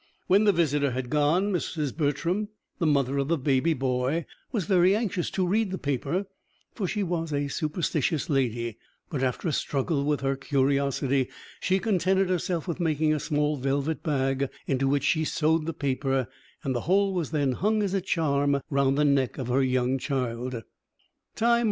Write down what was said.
When the visitor had gone, Mrs. Bertram, the mother of the baby boy, was very anxious to read the paper, for she was a superstitious lady; but after a struggle with her curiosity, she contented herself with making a small velvet bag, into which she sewed the paper, and the whole was then hung as a charm round the neck of her young child.